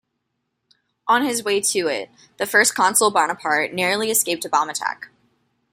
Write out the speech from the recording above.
On his way to it, the First Consul Bonaparte narrowly escaped a bomb attack.